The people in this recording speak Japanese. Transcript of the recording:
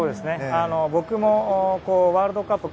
僕もワールドカップ